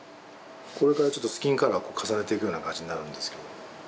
これからちょっとスキンカラーを重ねていくような感じになるんですけど。